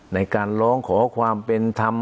ในการร้องขอความเป็นธรรม